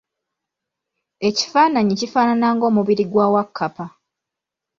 Ekifananyi kifaanana ng'omubiri gwa Wakkapa.